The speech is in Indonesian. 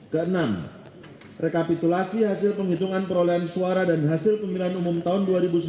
keenam rekapitulasi hasil penghitungan perolehan suara dan hasil pemilihan umum tahun dua ribu sembilan belas